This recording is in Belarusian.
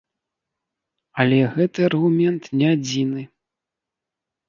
Але гэты аргумент не адзіны.